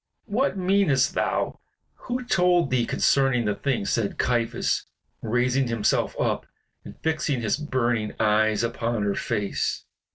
"What meanest thou? Who told thee concerning the thing?" said Caiaphas, raising himself up and fixing his burning eyes upon her face.